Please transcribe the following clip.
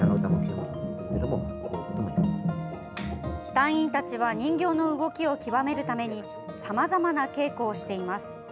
団員たちは人形の動きを極めるためにさまざまな稽古をしています。